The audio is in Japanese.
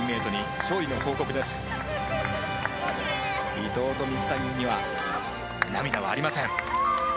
伊藤と水谷には涙はありません。